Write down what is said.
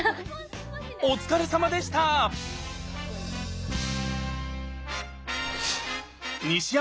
お疲れさまでした！